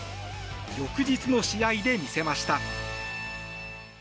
翌日の試合で見せました。